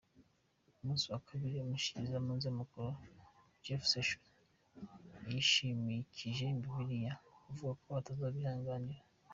Ku musi wa kabiri, umushikirizamanza mukuru Jeff Sessions yishimikije Bibiliya mu kuvuga ko atazobihanagnira.